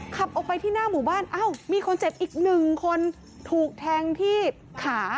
ขับออกไปที่หน้ามุมบ้านมีคนเจ็บอีก๑คนถูกแทงที่ขา